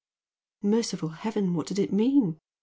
Merciful heaven! What did it mean?